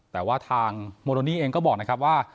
แต่ว่าทางมโรนี่เองก็บอกว่า